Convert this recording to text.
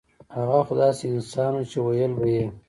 هغه خو داسې انسان وو چې وييل به يې